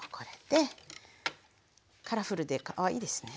カラフルでかわいいですね。